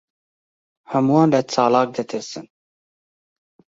ھەمووان لە چالاک دەترسن.